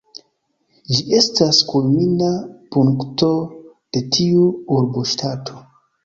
Ĝi estas kulmina punkto de tiu urboŝtato.